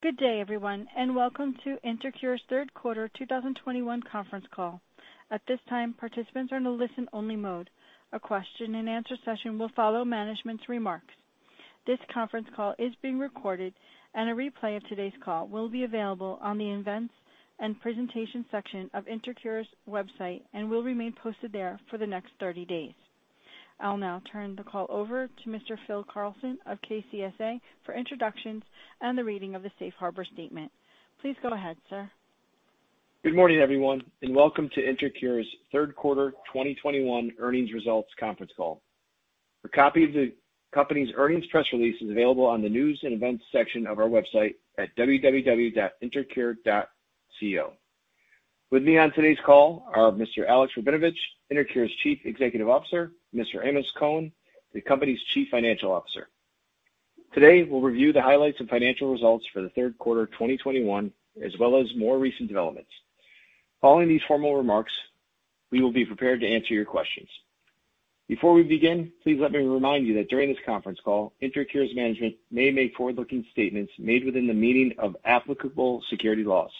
Good day, everyone, and welcome to InterCure's third quarter 2021 conference call. At this time, participants are in a listen-only mode. A question-and-answer session will follow management's remarks. This conference call is being recorded and a replay of today's call will be available on the Events and Presentation section of InterCure's website and will remain posted there for the next 30 days. I'll now turn the call over to Mr. Phil Carlson of KCSA for introductions and the reading of the Safe Harbor statement. Please go ahead, sir. Good morning, everyone, and welcome to InterCure's third quarter 2021 earnings results conference call. A copy of the company's earnings press release is available on the News and Events section of our website at www.intercure.co. With me on today's call are Mr. Alexander Rabinovich, InterCure's Chief Executive Officer, Mr. Amos Cohen, the company's Chief Financial Officer. Today, we'll review the highlights and financial results for the third quarter of 2021, as well as more recent developments. Following these formal remarks, we will be prepared to answer your questions. Before we begin, please let me remind you that during this conference call, InterCure's management may make forward-looking statements made within the meaning of applicable securities laws.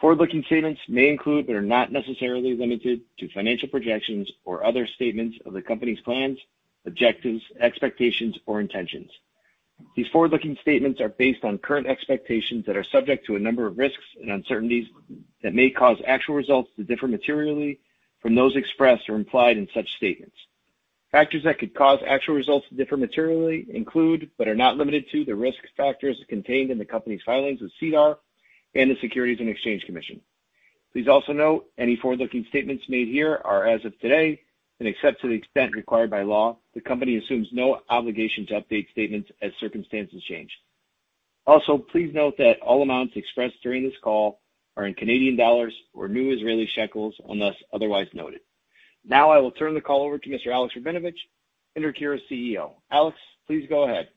Forward-looking statements may include but are not necessarily limited to financial projections or other statements of the company's plans, objectives, expectations, or intentions. These forward-looking statements are based on current expectations that are subject to a number of risks and uncertainties that may cause actual results to differ materially from those expressed or implied in such statements. Factors that could cause actual results to differ materially include, but are not limited to, the risk factors contained in the company's filings with SEDAR and the Securities and Exchange Commission. Please also note any forward-looking statements made here are as of today, and except to the extent required by law, the company assumes no obligation to update statements as circumstances change. Also, please note that all amounts expressed during this call are in Canadian dollars or new Israeli shekels, unless otherwise noted. Now I will turn the call over to Mr. Alexander Rabinovich, InterCure's CEO. Alex, please go ahead.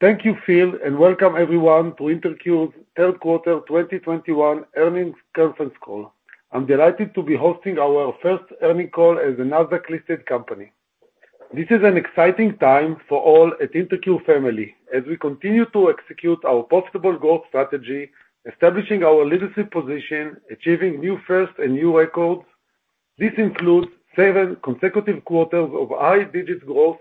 Thank you, Phil, and welcome everyone to InterCure's Q3 2021 earnings conference call. I'm delighted to be hosting our first earnings call as a Nasdaq-listed company. This is an exciting time for all at InterCure family as we continue to execute our profitable growth strategy, establishing our leadership position, achieving new firsts and new records. This includes seven consecutive quarters of high-digit growth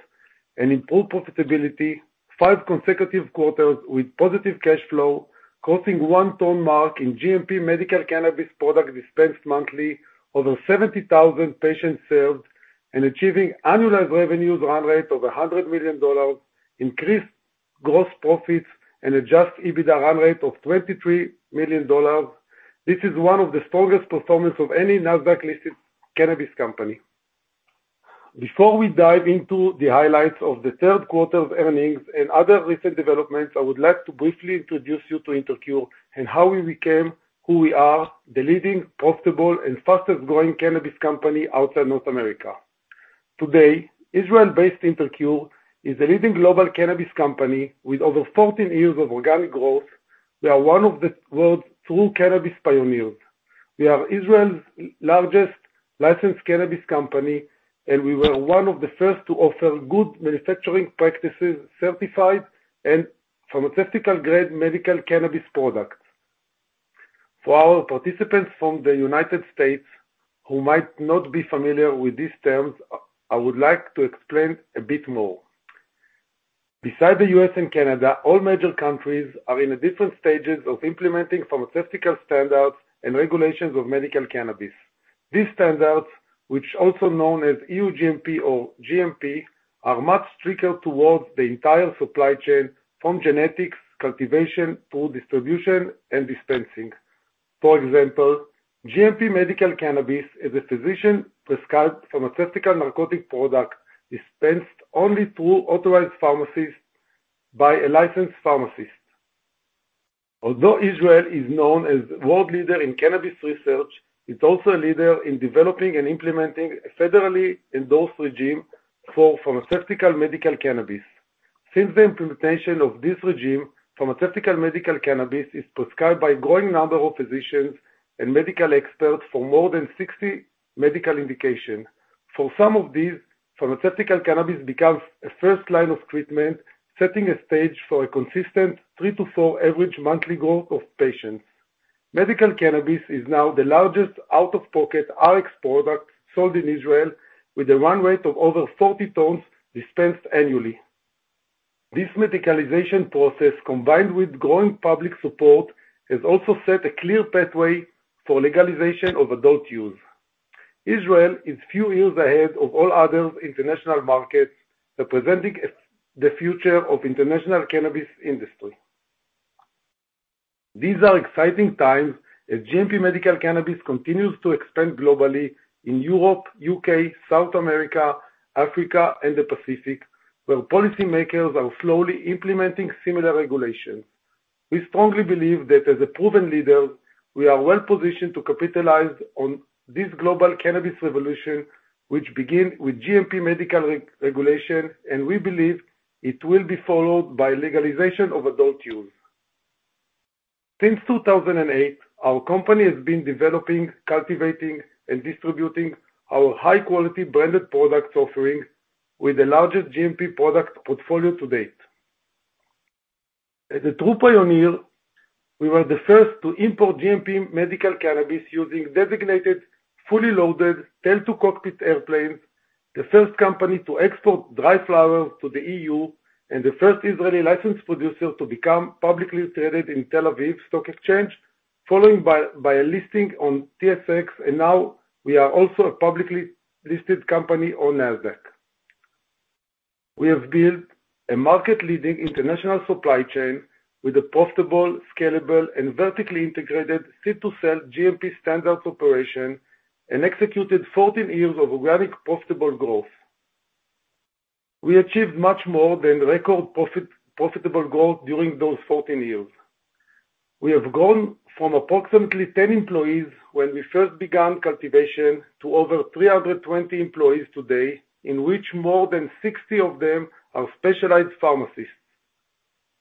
and improved profitability, five consecutive quarters with positive cash flow, crossing one ton mark in GMP medical cannabis product dispensed monthly, over 70,000 patients served, and achieving annualized revenues run rate of $100 million, increased gross profits, and adjusted EBITDA run rate of $23 million. This is one of the strongest performance of any Nasdaq-listed cannabis company. Before we dive into the highlights of the third quarter's earnings and other recent developments, I would like to briefly introduce you to InterCure and how we became who we are, the leading profitable and fastest-growing cannabis company outside North America. Today, Israel-based InterCure is a leading global cannabis company with over 14 years of organic growth. We are one of the world's true cannabis pioneers. We are Israel's largest licensed cannabis company, and we were one of the first to offer Good Manufacturing Practices, certified and pharmaceutical-grade medical cannabis products. For our participants from the United States who might not be familiar with these terms, I would like to explain a bit more. Besides the U.S. and Canada, all major countries are in different stages of implementing pharmaceutical standards and regulations of medical cannabis. These standards, which are also known as EU-GMP or GMP, are much stricter towards the entire supply chain from genetics, cultivation, to distribution and dispensing. For example, GMP medical cannabis is a physician-prescribed pharmaceutical narcotic product dispensed only through authorized pharmacies by a licensed pharmacist. Although Israel is known as a world leader in cannabis research, it's also a leader in developing and implementing a federally endorsed regime for pharmaceutical medical cannabis. Since the implementation of this regime, pharmaceutical medical cannabis is prescribed by a growing number of physicians and medical experts for more than 60 medical indications. For some of these, pharmaceutical cannabis becomes a first line of treatment, setting the stage for a consistent 3%-4% average monthly growth of patients. Medical cannabis is now the largest out-of-pocket Rx product sold in Israel with a run rate of over 40 tons dispensed annually. This medicalization process, combined with growing public support, has also set a clear pathway for legalization of adult use. Israel is a few years ahead of all other international markets, representing the future of international cannabis industry. These are exciting times as GMP medical cannabis continues to expand globally in Europe, U.K., South America, Africa, and the Pacific, where policymakers are slowly implementing similar regulations. We strongly believe that as a proven leader, we are well-positioned to capitalize on this global cannabis revolution, which begin with GMP medical re-regulation, and we believe it will be followed by legalization of adult use. Since 2008, our company has been developing, cultivating and distributing our high-quality branded product offerings with the largest GMP product portfolio to date. As a true pioneer, we were the first to import GMP medical cannabis using designated, fully loaded tail-to-cockpit airplanes, the first company to export dry flowers to the EU, and the first Israeli licensed producer to become publicly traded in Tel Aviv Stock Exchange, followed by a listing on TSX, and now we are also a publicly listed company on Nasdaq. We have built a market-leading international supply chain with a profitable, scalable, and vertically integrated seed-to-sale GMP standard operation and executed 14 years of organic profitable growth. We achieved much more than record profitable growth during those 14 years. We have gone from approximately 10 employees when we first began cultivation to over 320 employees today, in which more than 60 of them are specialized pharmacists.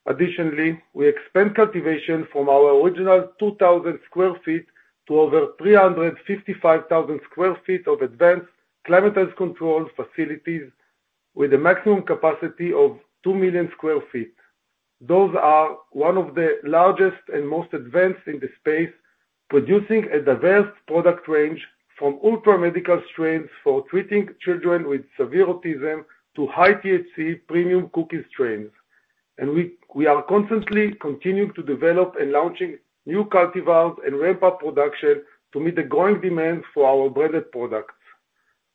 Additionally, we expand cultivation from our original 2,000 sq ft to over 355,000 sq ft of advanced climatized controlled facilities with a maximum capacity of 2 million sq ft. Those are one of the largest and most advanced in the space, producing a diverse product range from ultra medical strains for treating children with severe autism to high THC premium Cookies strains. We are constantly continuing to develop and launching new cultivars and ramp up production to meet the growing demand for our branded products.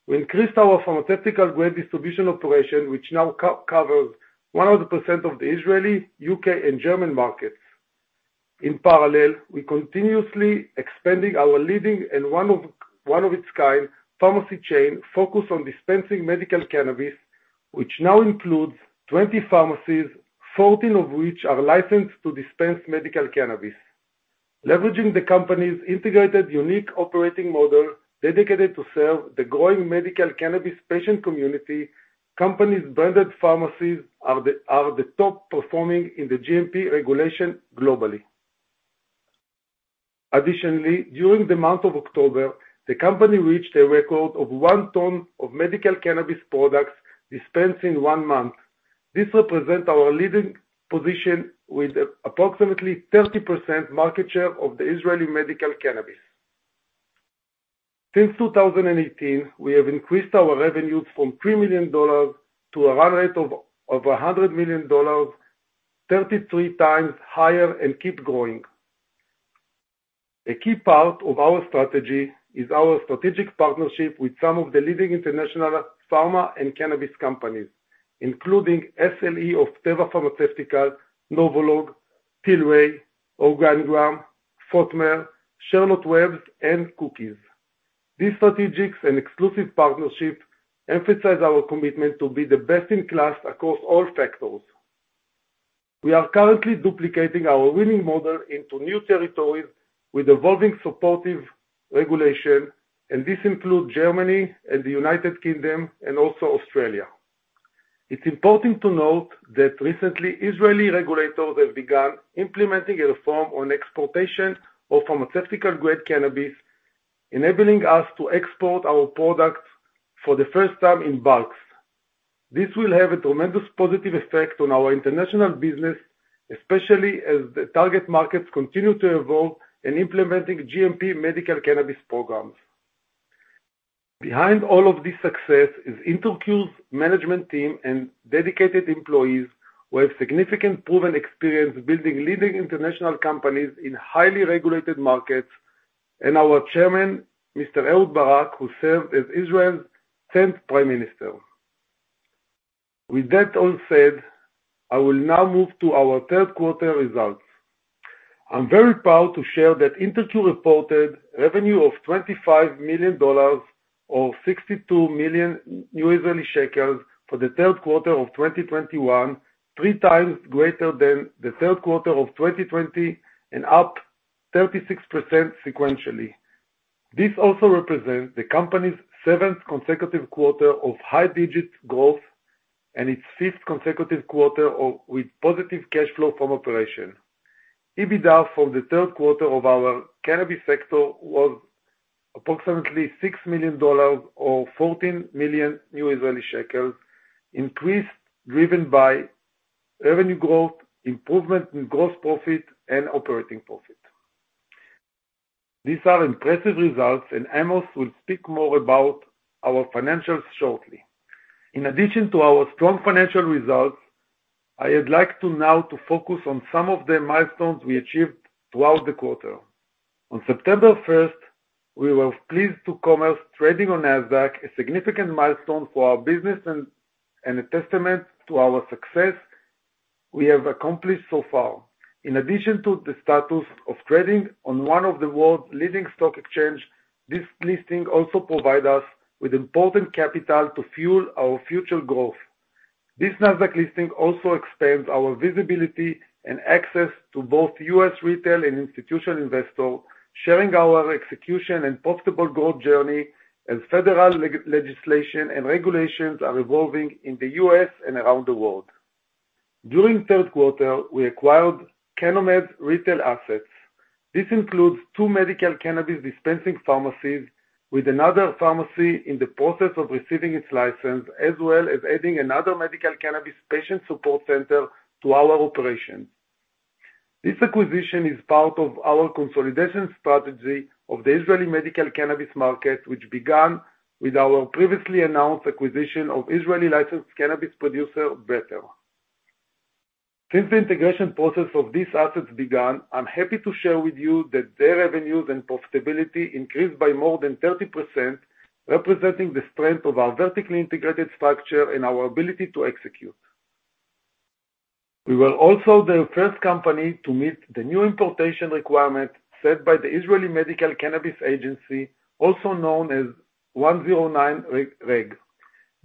We increased our pharmaceutical grade distribution operation, which now co-covers 100% of the Israeli, U.K., and German markets. In parallel, we are continuously expanding our leading and one of its kind pharmacy chain focused on dispensing medical cannabis, which now includes 20 pharmacies, 14 of which are licensed to dispense medical cannabis. Leveraging the company's integrated unique operating model dedicated to serve the growing medical cannabis patient community, the company's branded pharmacies are the top-performing in the GMP regulation globally. Additionally, during the month of October, the company reached a record of one ton of medical cannabis products dispensed in one month. This represents our leading position with approximately 30% market share of the Israeli medical cannabis. Since 2018, we have increased our revenues from $3 million to a run rate of $100 million, 33x higher and keep growing. A key part of our strategy is our strategic partnership with some of the leading international pharma and cannabis companies, including SLE, Teva Pharmaceutical, Novolog, Tilray, Organigram, Fotmer Life Sciences, Charlotte's Web, and Cookies. These strategics and exclusive partnerships emphasize our commitment to be the best-in-class across all sectors. We are currently duplicating our winning model into new territories with evolving supportive regulation, and this includes Germany and the United Kingdom and also Australia. It's important to note that recently Israeli regulators have begun implementing a reform on exportation of pharmaceutical-grade cannabis, enabling us to export our products for the first time in bulk. This will have a tremendous positive effect on our international business, especially as the target markets continue to evolve in implementing GMP medical cannabis programs. Behind all of this success is InterCure's management team and dedicated employees who have significant proven experience building leading international companies in highly regulated markets, and our chairman, Mr. Ehud Barak, who served as Israel's tenth Prime Minister. With that all said, I will now move to our third quarter results. I'm very proud to share that InterCure reported revenue of $25 million or 62 million for the third quarter of 2021, 3x greater than the third quarter of 2020 and up 36% sequentially. This also represents the company's seventh consecutive quarter of double-digit growth and its sixth consecutive quarter of positive cash flow from operations. EBITDA for the third quarter of our cannabis sector was approximately $6 million or ILS 14 million, an increase driven by revenue growth, improvement in gross profit and operating profit. These are impressive results, and Amos will speak more about our financials shortly. In addition to our strong financial results, I would like to now focus on some of the milestones we achieved throughout the quarter. On September first, we were pleased to commence trading on Nasdaq, a significant milestone for our business and a testament to our success we have accomplished so far. In addition to the status of trading on one of the world's leading stock exchange, this listing also provide us with important capital to fuel our future growth. This Nasdaq listing also expands our visibility and access to both U.S. retail and institutional investors. Sharing our execution and profitable growth journey as federal legislation and regulations are evolving in the U.S. and around the world. During third quarter, we acquired Cannomed retail assets. This includes two medical cannabis dispensing pharmacies with another pharmacy in the process of receiving its license, as well as adding another medical cannabis patient support center to our operations. This acquisition is part of our consolidation strategy of the Israeli medical cannabis market, which began with our previously announced acquisition of Israeli licensed cannabis producer, Better. Since the integration process of these assets began, I'm happy to share with you that their revenues and profitability increased by more than 30%, representing the strength of our vertically integrated structure and our ability to execute. We were also the first company to meet the new importation requirements set by the Israeli Medical Cannabis Agency, also known as Regulation 109.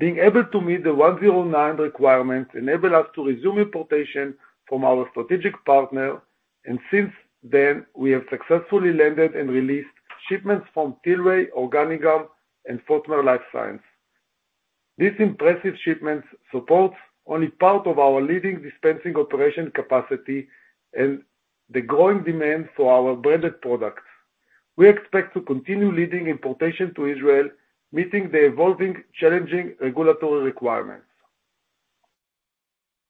Being able to meet the 109 requirements enable us to resume importation from our strategic partner, and since then, we have successfully landed and released shipments from Tilray, Organigram, and Fotmer Life Sciences. These impressive shipments supports only part of our leading dispensing operation capacity and the growing demand for our branded products. We expect to continue leading importation to Israel, meeting the evolving, challenging regulatory requirements.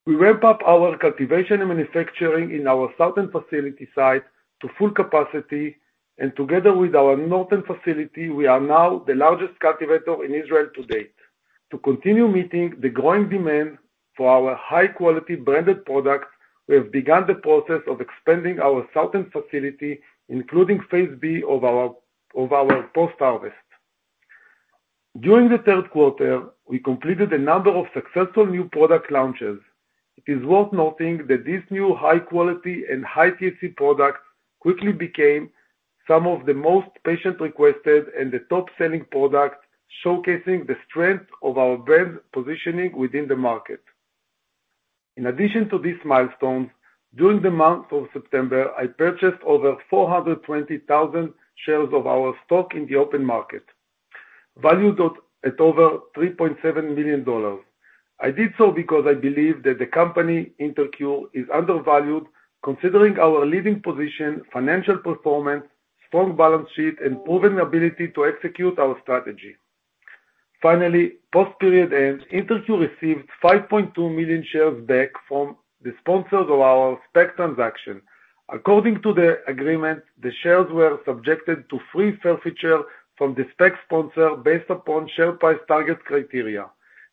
We ramp up our cultivation and manufacturing in our southern facility site to full capacity, and together with our northern facility, we are now the largest cultivator in Israel to date. To continue meeting the growing demand for our high-quality branded products, we have begun the process of expanding our southern facility, including phase B of our post-harvest. During the third quarter, we completed a number of successful new product launches. It is worth noting that these new high quality and high THC products quickly became some of the most patient-requested and the top selling products, showcasing the strength of our brand positioning within the market. In addition to these milestones, during the month of September, I purchased over 420,000 shares of our stock in the open market, valued at over $3.7 million. I did so because I believe that the company, InterCure, is undervalued considering our leading position, financial performance, strong balance sheet, and proven ability to execute our strategy. Finally, post-period end, InterCure received 5.2 million shares back from the sponsors of our SPAC transaction. According to the agreement, the shares were subjected to free forfeiture from the SPAC sponsor based upon share price targets criteria.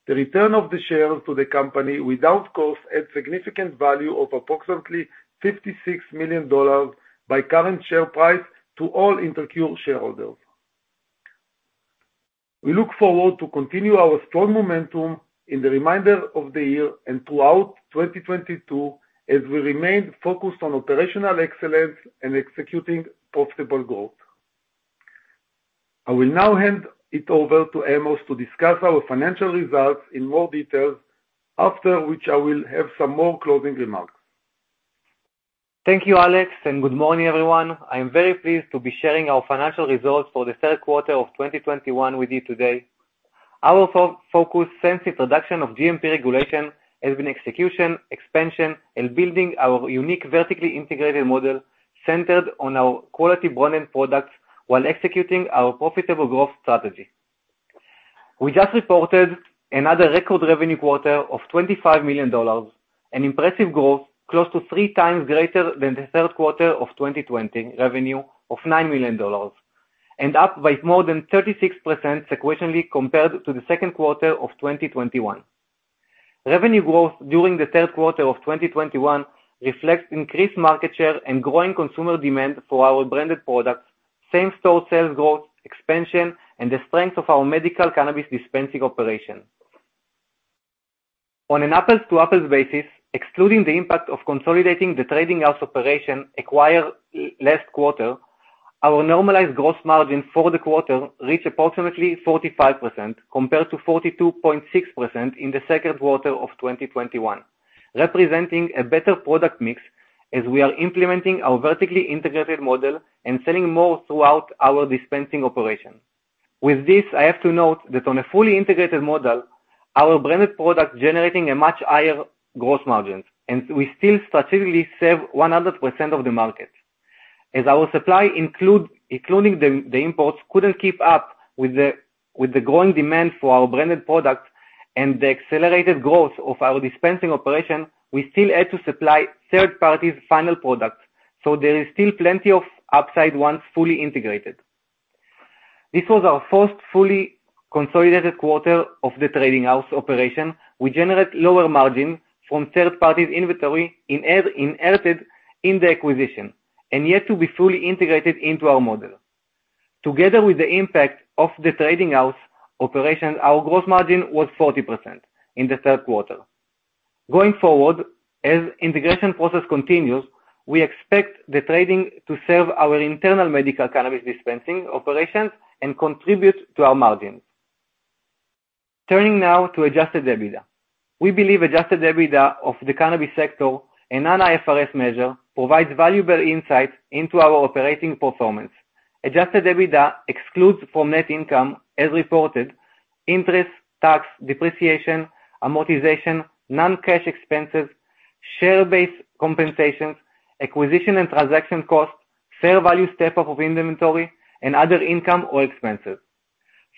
The return of the shares to the company without cost adds significant value of approximately $56 million by current share price to all InterCure shareholders. We look forward to continue our strong momentum in the remainder of the year and throughout 2022, as we remain focused on operational excellence and executing profitable growth. I will now hand it over to Amos to discuss our financial results in more detail, after which I will have some more closing remarks. Thank you, Alex, and good morning, everyone. I am very pleased to be sharing our financial results for the third quarter of 2021 with you today. Our focus since introduction of GMP regulation has been execution, expansion, and building our unique vertically integrated model centered on our quality branded products while executing our profitable growth strategy. We just reported another record revenue quarter of $25 million, an impressive growth close to three times greater than the third quarter of 2020 revenue of $9 million, and up by more than 36% sequentially compared to the second quarter of 2021. Revenue growth during the third quarter of 2021 reflects increased market share and growing consumer demand for our branded products, same-store sales growth, expansion, and the strength of our medical cannabis dispensing operations. On an apples-to-apples basis, excluding the impact of consolidating the trading house operation acquired last quarter, our normalized gross margin for the quarter reached approximately 45% compared to 42.6% in the second quarter of 2021, representing a better product mix as we are implementing our vertically integrated model and selling more throughout our dispensing operations. With this, I have to note that on a fully integrated model, our branded product generating a much higher gross margins, and we still strategically serve 100% of the market. As our supply, including the imports, couldn't keep up with the growing demand for our branded products and the accelerated growth of our dispensing operation, we still had to supply third parties' final products, so there is still plenty of upside once fully integrated. This was our first fully consolidated quarter of the trading house operation. We generate lower margin from third parties' inventory inherited in the acquisition, and yet to be fully integrated into our model. Together with the impact of the trading house operation, our gross margin was 40% in the third quarter. Going forward, as integration process continues, we expect the trading to serve our internal medical cannabis dispensing operations and contribute to our margins. Turning now to adjusted EBITDA. We believe adjusted EBITDA of the cannabis sector and non-IFRS measure provides valuable insight into our operating performance. Adjusted EBITDA excludes from net income as reported, interest, tax, depreciation, amortization, non-cash expenses, share-based compensation, acquisition and transaction costs, fair value step-up of inventory, and other income or expenses.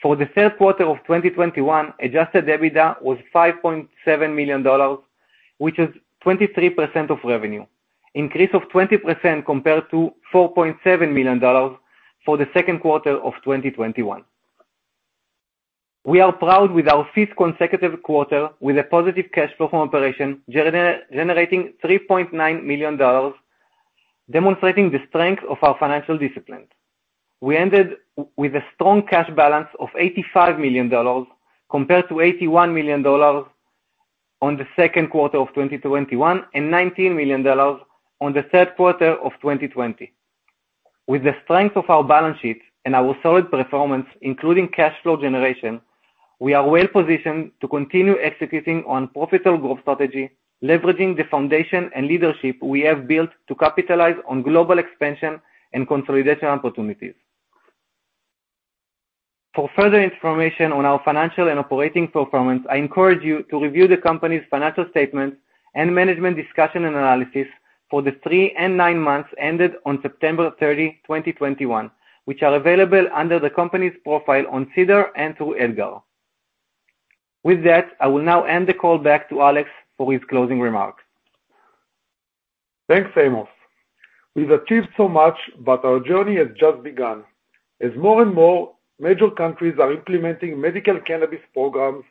For the third quarter of 2021, adjusted EBITDA was $5.7 million, which is 23% of revenue, increase of 20% compared to $4.7 million for the second quarter of 2021. We are proud with our fifth consecutive quarter with a positive cash flow from operations generating $3.9 million, demonstrating the strength of our financial discipline. We ended with a strong cash balance of $85 million compared to $81 million on the second quarter of 2021, and $19 million on the third quarter of 2020. With the strength of our balance sheet and our solid performance, including cash flow generation, we are well-positioned to continue executing on profitable growth strategy, leveraging the foundation and leadership we have built to capitalize on global expansion and consolidation opportunities. For further information on our financial and operating performance, I encourage you to review the company's financial statements and management discussion and analysis for the three and nine months ended on September 30, 2021, which are available under the company's profile on SEDAR and through EDGAR. With that, I will now hand the call back to Alex for his closing remarks. Thanks, Amos. We've achieved so much, but our journey has just begun. As more and more major countries are implementing medical cannabis programs,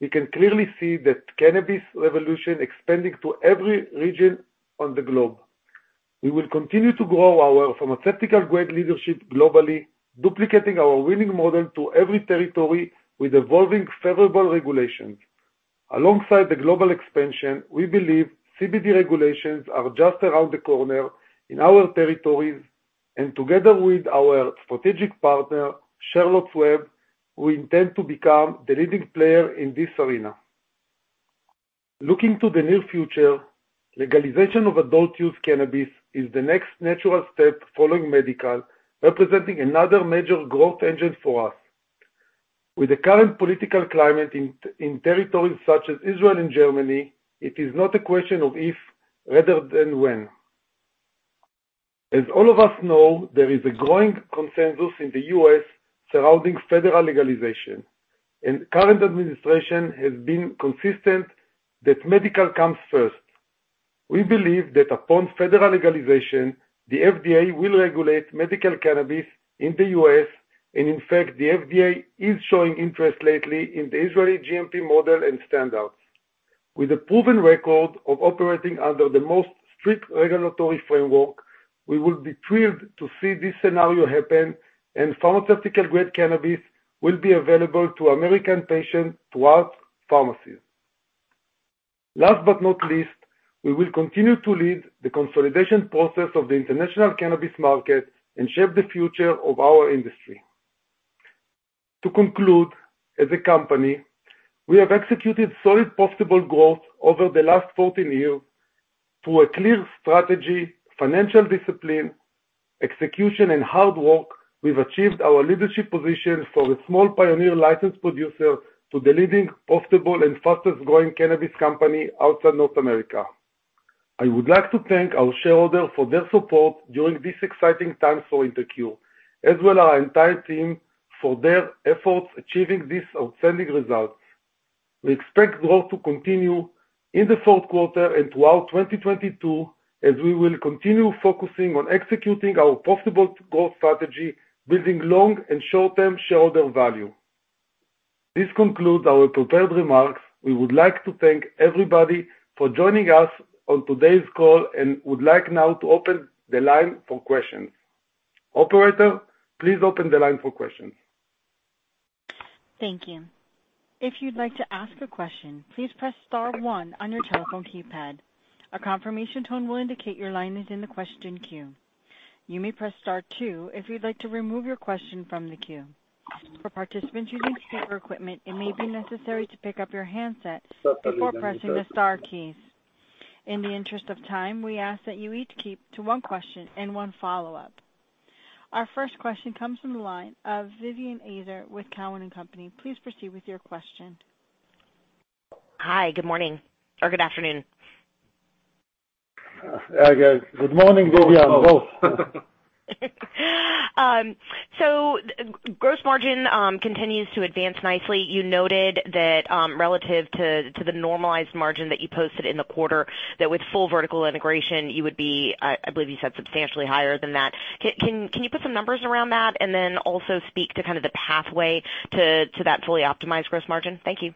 we can clearly see that cannabis revolution expanding to every region on the globe. We will continue to grow our pharmaceutical-grade leadership globally, duplicating our winning model to every territory with evolving favorable regulations. Alongside the global expansion, we believe CBD regulations are just around the corner in our territories, and together with our strategic partner, Charlotte's Web, we intend to become the leading player in this arena. Looking to the near future, legalization of adult-use cannabis is the next natural step following medical, representing another major growth engine for us. With the current political climate in territories such as Israel and Germany, it is not a question of if rather than when. As all of us know, there is a growing consensus in the U.S. surrounding federal legalization, and current administration has been consistent that medical comes first. We believe that upon federal legalization, the FDA will regulate medical cannabis in the U.S., and in fact, the FDA is showing interest lately in the Israeli GMP model and standards. With a proven record of operating under the most strict regulatory framework, we will be thrilled to see this scenario happen, and pharmaceutical-grade cannabis will be available to American patients throughout pharmacies. Last but not least, we will continue to lead the consolidation process of the international cannabis market and shape the future of our industry. To conclude, as a company, we have executed solid profitable growth over the last 14 years through a clear strategy, financial discipline, execution, and hard work. We've achieved our leadership position from a small pioneer licensed producer to the leading profitable and fastest-growing cannabis company outside North America. I would like to thank our shareholders for their support during this exciting time for InterCure, as well our entire team for their efforts achieving these outstanding results. We expect growth to continue in the fourth quarter and throughout 2022, as we will continue focusing on executing our profitable growth strategy, building long and short-term shareholder value. This concludes our prepared remarks. We would like to thank everybody for joining us on today's call and would like now to open the line for questions. Operator, please open the line for questions. Thank you. If you'd like to ask a question, please press star one on your telephone keypad. A confirmation tone will indicate your line is in the question queue. You may press star two if you'd like to remove your question from the queue. For participants using speaker equipment, it may be necessary to pick up your handset before pressing the star keys. In the interest of time, we ask that you each keep to one question and one follow-up. Our first question comes from the line of Vivien Azer with Cowen and Company. Please proceed with your question. Hi. Good morning or good afternoon. Good morning, Vivien, both. Both. Gross margin continues to advance nicely. You noted that, relative to the normalized margin that you posted in the quarter, that with full vertical integration you would be, I believe you said, substantially higher than that. Can you put some numbers around that? Also speak to kind of the pathway to that fully optimized gross margin. Thank you.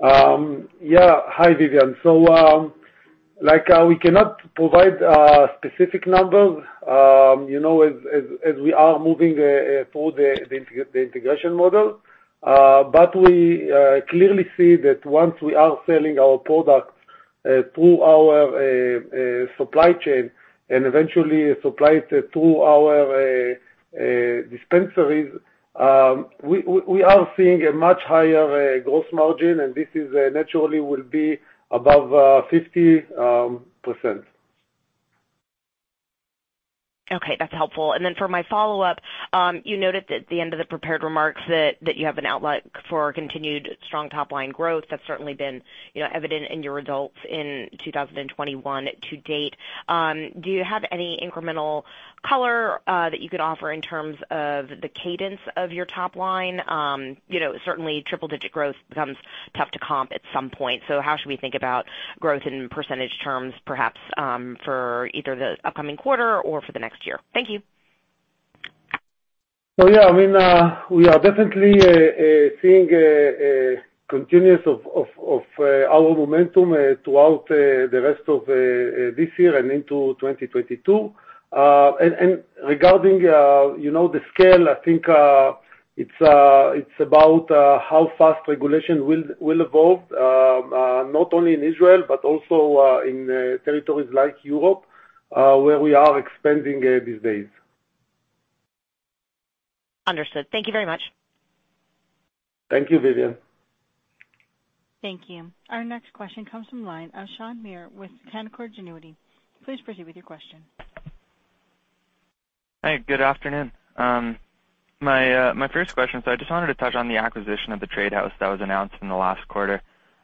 Yeah. Hi, Vivien. Like, we cannot provide specific numbers, you know, as we are moving through the integration model. We clearly see that once we are selling our products through our supply chain and eventually supplied through our dispensaries, we are seeing a much higher gross margin, and this is naturally will be above 50%. Okay, that's helpful. For my follow-up, you noted at the end of the prepared remarks that you have an outlook for continued strong top-line growth. That's certainly been, you know, evident in your results in 2021 to date. Do you have any incremental color that you could offer in terms of the cadence of your top line? You know, certainly triple-digit growth becomes tough to comp at some point. How should we think about growth in percentage terms, perhaps, for either the upcoming quarter or for the next year? Thank you. Yeah, I mean, we are definitely seeing a continuation of our momentum throughout the rest of this year and into 2022. Regarding you know the scale, I think it's about how fast regulation will evolve, not only in Israel but also in territories like Europe, where we are expanding these days. Understood. Thank you very much. Thank you, Vivien. Thank you. Our next question comes from the line of Shaan Mir with Canaccord Genuity. Please proceed with your question. Hi, good afternoon. My first question, I just wanted to touch on the acquisition of the trade house that was announced in the last quarter.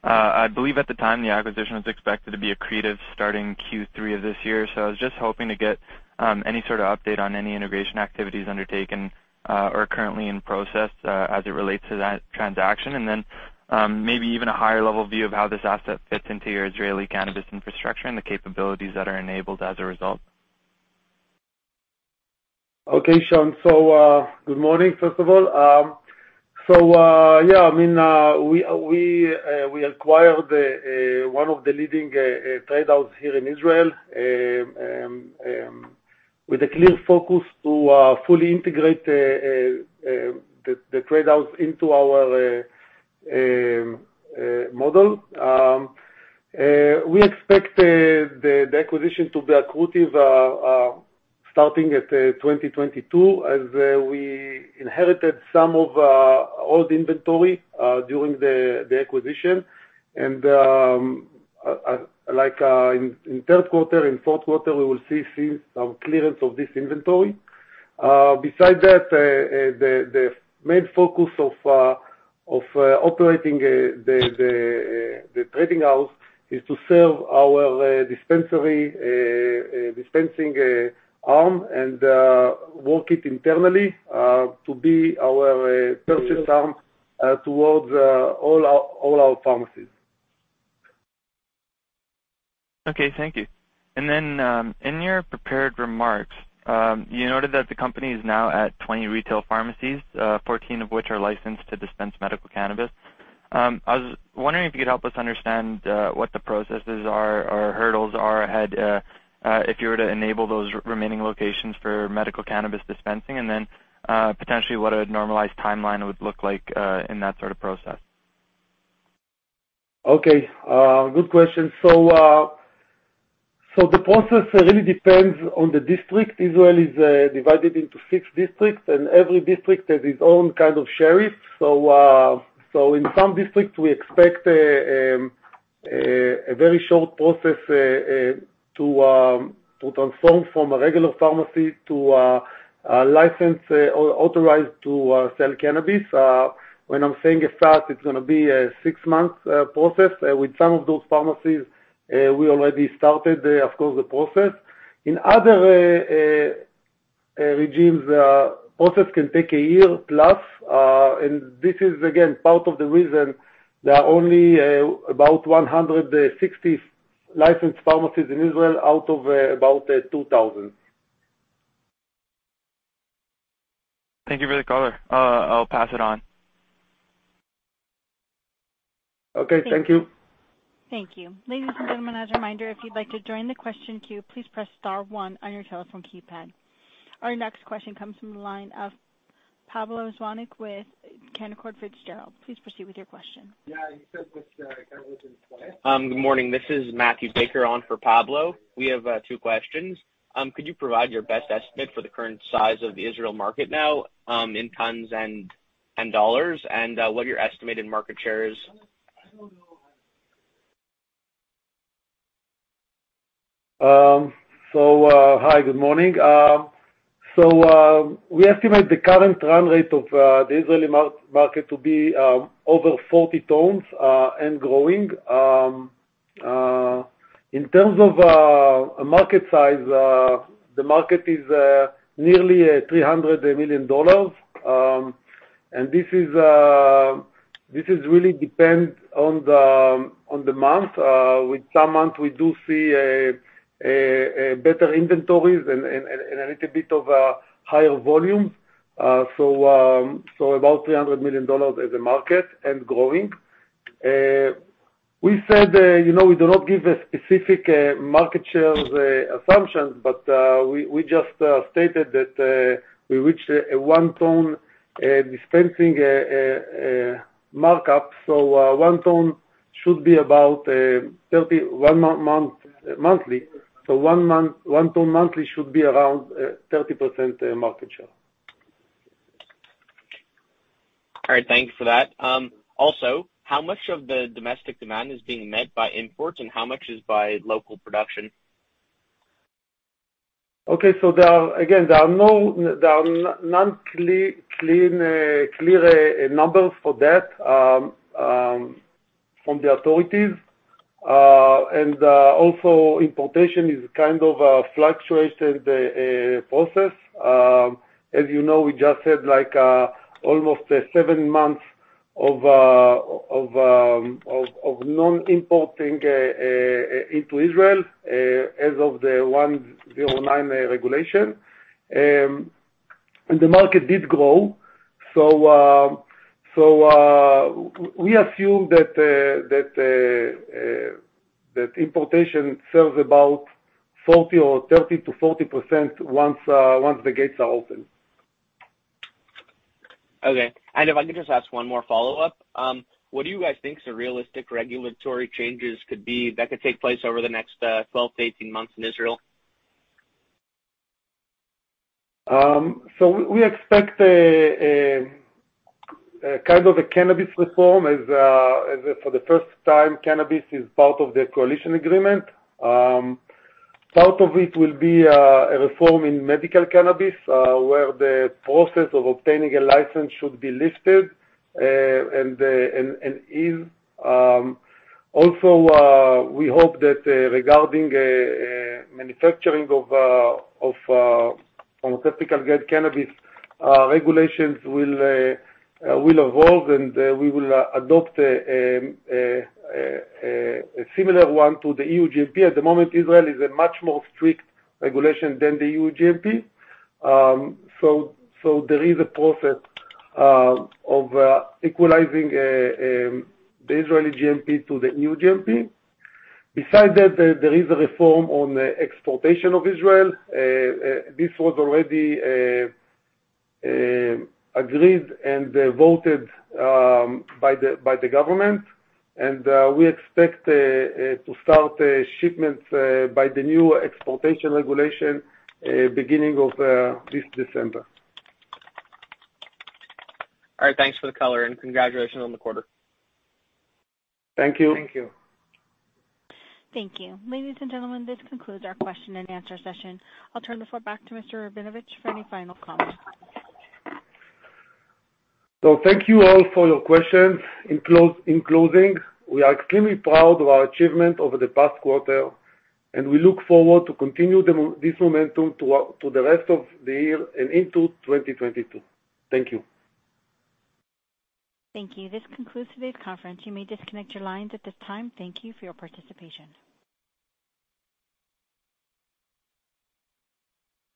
I believe at the time, the acquisition was expected to be accretive starting Q3 of this year. I was just hoping to get any sort of update on any integration activities undertaken or currently in process as it relates to that transaction. Maybe even a higher level view of how this asset fits into your Israeli cannabis infrastructure and the capabilities that are enabled as a result. Okay, Sean. Good morning, first of all. Yeah, I mean, we acquired one of the leading trade house here in Israel with a clear focus to fully integrate the trade house into our model. We expect the acquisition to be accretive starting at 2022, as we inherited some of old inventory during the acquisition. Like, in third quarter, in fourth quarter, we will see some clearance of this inventory. Besides that, the main focus of operating the trading house is to serve our dispensary dispensing arm and work it internally to be our purchase arm towards all our pharmacies. Okay, thank you. In your prepared remarks, you noted that the company is now at 20 retail pharmacies, 14 of which are licensed to dispense medical cannabis. I was wondering if you could help us understand what the processes are or hurdles are ahead if you were to enable those remaining locations for medical cannabis dispensing, and then potentially what a normalized timeline would look like in that sort of process. Okay, good question. The process really depends on the district. Israel is divided into six districts, and every district has its own kind of sheriff. In some districts, we expect a very short process to transform from a regular pharmacy to a licensed or authorized to sell cannabis. When I'm saying at start, it's gonna be a six-month process. With some of those pharmacies, we already started, of course, the process. In other regimes, process can take a year plus. This is again part of the reason there are only about 160 licensed pharmacies in Israel out of about 2,000. Thank you for the color. I'll pass it on. Okay, thank you. Thank you. Ladies and gentlemen, as a reminder, if you'd like to join the question queue, please press star one on your telephone keypad. Our next question comes from the line of Pablo Zuanic with Cantor Fitzgerald. Please proceed with your question. Good morning. This is Matthew Baker on for Pablo. We have two questions. Could you provide your best estimate for the current size of the Israeli market now, in tons and dollars? What are your estimated market shares? Hi, good morning. We estimate the current run rate of the Israeli market to be over 40 tons and growing. In terms of market size, the market is nearly $300 million. This really depends on the month. With some months, we do see a better inventories and a little bit of higher volume. About $300 million as a market and growing. We said, you know, we do not give a specific market share assumptions, but we just stated that we reached a one tonne dispensing a markup. One tonne should be about 30 one month monthly. One month one tonne monthly should be around 30% market share. All right, thank you for that. Also, how much of the domestic demand is being met by imports, and how much is by local production? There are no clean, clear numbers for that from the authorities. Also, importation is kind of a fluctuating process. As you know, we just had like almost seven months of non-importing into Israel as of the Regulation 109. The market did grow. We assume that importation serves about 40% or 30%-40% once the gates are open. Okay. If I could just ask one more follow-up. What do you guys think some realistic regulatory changes could be that could take place over the next 12-18 months in Israel? We expect a kind of a cannabis reform for the first time cannabis is part of the coalition agreement. Part of it will be a reform in medical cannabis where the process of obtaining a license should be lifted and is also we hope that regarding manufacturing of pharmaceutical grade cannabis regulations will evolve and we will adopt a similar one to the EU GMP. At the moment, Israel is a much more strict regulation than the EU GMP. There is a process of equalizing the Israeli GMP to the EU GMP. Besides that, there is a reform on the exportation of Israel. This was already agreed and voted by the government. We expect to start shipments by the new exportation regulation beginning of this December. All right, thanks for the color and congratulations on the quarter. Thank you Matthew. Thank you. Ladies and gentlemen, this concludes our question-and-answer session. I'll turn the floor back to Mr. Rabinovich for any final comments. Thank you all for your questions. In closing, we are extremely proud of our achievement over the past quarter, and we look forward to continue this momentum to the rest of the year and into 2022. Thank you. Thank you. This concludes today's conference. You may disconnect your lines at this time. Thank you for your participation.